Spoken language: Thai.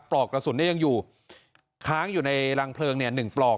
ปลอกกระสุนยังอยู่ค้างอยู่ในรังเพลิงเนี่ย๑ปลอก